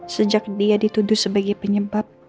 sejak dia dituduh sebagai penyebab